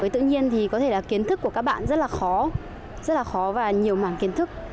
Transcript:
tự nhiên thì kiến thức của các bạn rất là khó rất là khó và nhiều mảng kiến thức